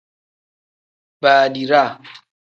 Badiraa.